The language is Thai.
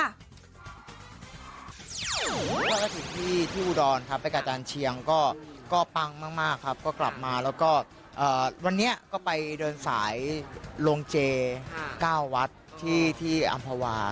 แล้วก็ถึงที่อุดรครับไปกับอาจารย์เชียงก็ปังมากครับก็กลับมาแล้วก็วันนี้ก็ไปเดินสายลงเจ๙วัดที่อำภาวา